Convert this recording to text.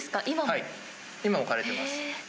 今も枯れてます。